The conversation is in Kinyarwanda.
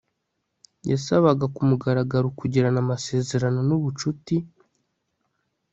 yasabaga ku mugaragaro kugirana amasezerano n'ubucuti